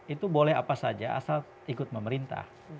itu boleh apa saja asal ikut memerintah